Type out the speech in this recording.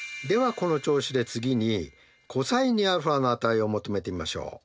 この調子で次にｃｏｓ２αの値を求めてみましょう。